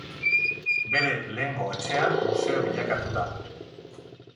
Bere lehengo etxea museo bilakatu da.